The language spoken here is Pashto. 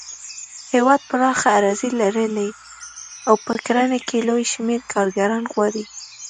هېواد پراخه اراضي لري او په کرنه کې لوی شمېر کارګران غواړي.